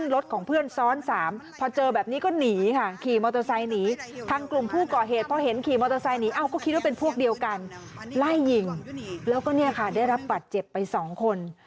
ไล่หญิงแล้วก็นี่ค่ะได้รับบัตรเจ็บไป๒คน